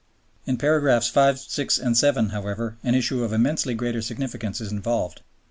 In Paragraphs 5, 6, and 7, however, an issue of immensely greater significance is involved.